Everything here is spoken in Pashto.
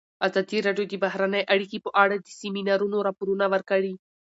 ازادي راډیو د بهرنۍ اړیکې په اړه د سیمینارونو راپورونه ورکړي.